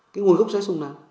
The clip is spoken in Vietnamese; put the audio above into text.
cái nguồn gốc sái sùng nào